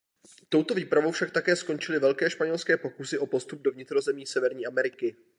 Touto výpravou však také skončily velké španělské pokusy o postup do vnitrozemí Severní Ameriky.